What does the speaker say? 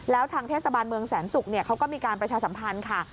แล้วทางเทศบาลเมืองแสนศุกร์เขาก็มีการประชาสัมพันธ์ค่ะ